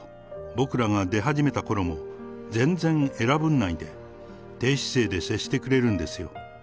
僕らが出始めたころも、全然偉ぶんないで、低姿勢で接してくれるんですよ。